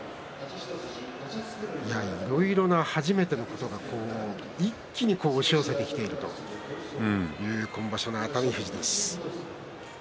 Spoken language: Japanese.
いろいろな初めてのことが一気に押し寄せてきているという今場所の熱海富士です。